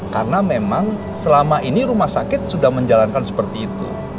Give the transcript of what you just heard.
karena memang selama ini rumah sakit sudah menjalankan seperti itu